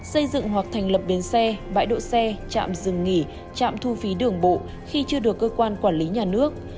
xây dựng hoặc thành lập biến xe bãi đỗ xe chạm dừng nghỉ chạm thu phí đường bộ khi chưa được cơ quan quản lý nhà nước